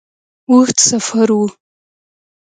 اوږد سفر وو.